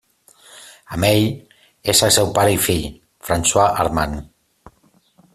Amb ell és el seu pare i fill, François Armand.